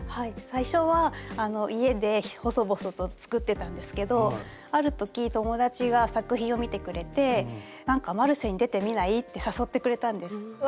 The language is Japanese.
最初は家で細々と作ってたんですけどある時友達が作品を見てくれて「マルシェに出てみない？」って誘ってくれたんです。